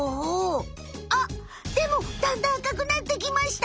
あっでもだんだん赤くなってきました。